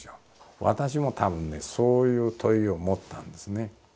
私も多分ねそういう問いを持ったんですね。